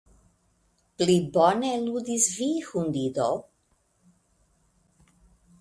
Pli bone ludis vi, hundido.